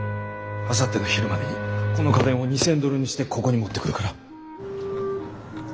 あさっての昼までにこの金を２，０００ドルにしてここに持ってくるから。